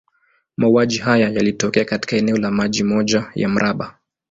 Mauaji haya yalitokea katika eneo la maili moja ya mraba.